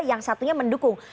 yang satunya mendukung